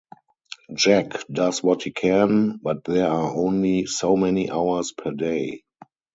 Jack does what he can, but there are only so many hours per day.